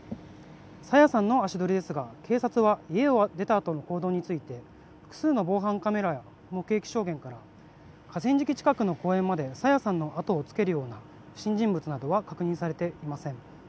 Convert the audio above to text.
朝芽さんの足取りですが警察は家を出たあとの行動について複数の防犯カメラや目撃証言から河川敷近くの公園まで朝芽さんの後をつけるような不審人物などは確認されていません。